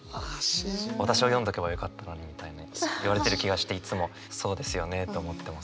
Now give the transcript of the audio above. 「私を読んどけばよかったのに」みたいに言われてる気がしていつもそうですよねと思ってます。